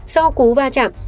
sau cú va chạm